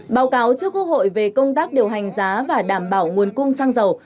báo cáo trước quốc hội về công tác điều hành giá và đảm bảo nguồn cung xăng dầu